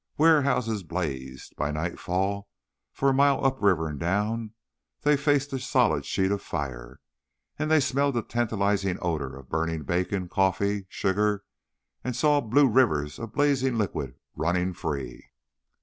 Warehouses blazed. By nightfall for a mile upriver and down they faced a solid sheet of fire, and they smelled the tantalizing odor of burning bacon, coffee, sugar, and saw blue rivers of blazing liquid running free.